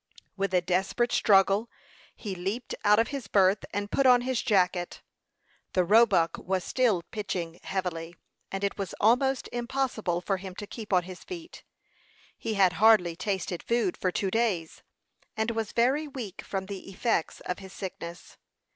With a desperate struggle he leaped out of his berth, and put on his jacket. The Roebuck was still pitching heavily, and it was almost impossible for him to keep on his feet. He had hardly tasted food for two days, and was very weak from the effects of his sickness.